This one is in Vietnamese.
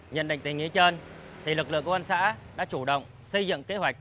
nhận định tình ý chân lực lượng công an xã đã chủ động xây dựng kế hoạch